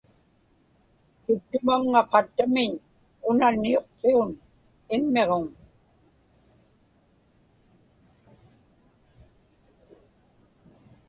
kiktumaŋŋa qattamiñ una niuqqiun immiġuŋ